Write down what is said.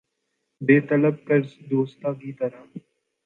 بے طلب قرض دوستاں کی طرح